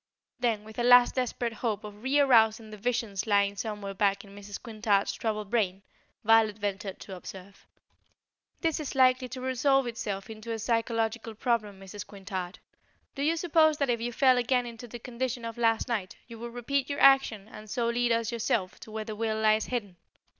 Then, with a last desperate hope of re arousing the visions lying somewhere back in Mrs. Quintard's troubled brain, Violet ventured to observe: "This is likely to resolve itself into a psychological problem, Mrs. Quintard. Do you suppose that if you fell again into the condition of last night, you would repeat your action and so lead us yourself to where the will lies hidden?"